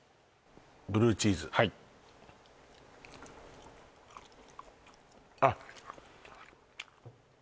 ブルーチーズはいあっ